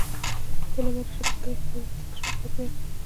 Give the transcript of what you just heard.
د علامه رشاد لیکنی هنر مهم دی ځکه چې واقعیت بیانوي.